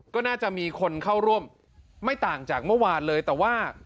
ก็น่าจะมีคนเข้าร่วมไม่ต่างจากเมื่อวานเลยแต่ว่า